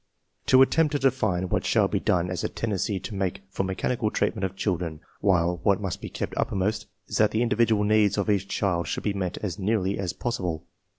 To \ attempt to define what shall be done has a tendency to make for mechanical treatment of children, while what must be kept uppermost is that the individual needs of each cEUcT should be met as nearly as possible.